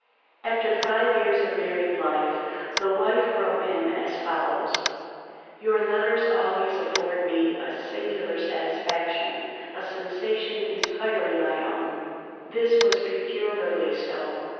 After five years of married life the wife wrote him as follows: "Your letters always afford me a singular satisfaction, a sensation entirely my own. This was peculiarly so.